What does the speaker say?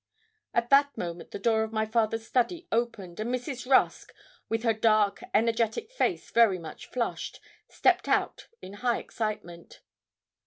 At that moment the door of my father's study opened, and Mrs. Rusk, with her dark energetic face very much flushed, stepped out in high excitement.